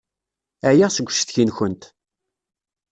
Ɛyiɣ seg ucetki-nkent.